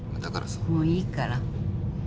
もういいから。